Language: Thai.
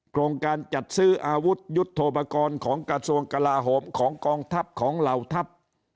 โครงการจัดซื้ออาวุธยุทธโทปกรณ์ของกระทรวงกลาโหมของกองทัพของเหล่าทัพ